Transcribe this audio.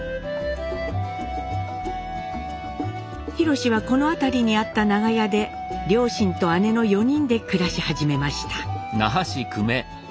廣はこの辺りにあった長屋で両親と姉の４人で暮らし始めました。